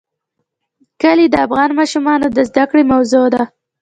کلي د افغان ماشومانو د زده کړې موضوع ده.